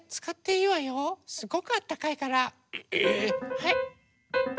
はい。